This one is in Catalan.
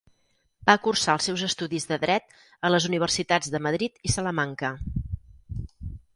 Va cursar els seus estudis de dret a les Universitats de Madrid i Salamanca.